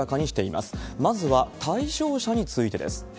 まずは対象者についてです。